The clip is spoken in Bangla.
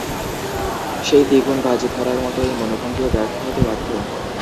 সেই দ্বিগুণ বাজি ধরার মতো এই মনোভঙ্গিও ব্যর্থ হতে বাধ্য।